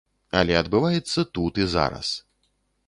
Але адбываецца тут і зараз.